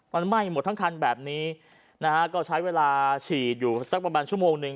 มันไหม้หมดทั้งคันแบบนี้นะฮะก็ใช้เวลาฉีดอยู่สักประมาณชั่วโมงหนึ่ง